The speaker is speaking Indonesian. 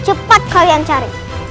cepat kalian cari